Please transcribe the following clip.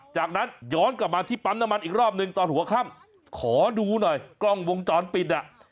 จากนั้นย้อนกลับมาที่ปั๊มน้ำมันอีกรอบหนึ่งตอนหัวค่ำขอดูหน่อยกล้องวงจรปิดอ่ะ